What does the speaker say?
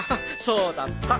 そうだった。